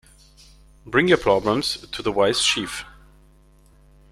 Bring your problems to the wise chief.